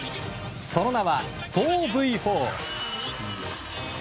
その名は４ｖ４。